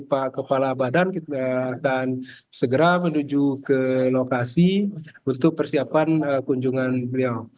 pak kepala badan akan segera menuju ke lokasi untuk persiapan kunjungan beliau